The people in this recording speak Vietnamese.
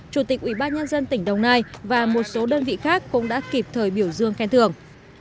chủ tịch ubnd tỉnh đồng nai và một số đơn vị khác cũng đã kịp thời biểu dương khen thưởng